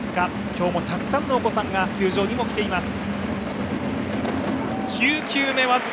今日もたくさんのお子さんが球場にも来ています。